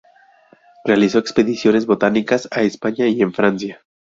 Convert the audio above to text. Realizó expediciones botánicas a España, y en Francia.